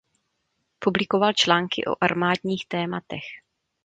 Publikoval články o armádních tématech.